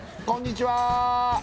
こんにちは